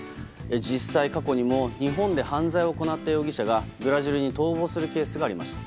実際、過去にも日本で犯罪を行った容疑者がブラジルに逃亡するケースがありました。